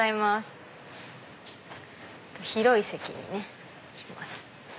広い席にします。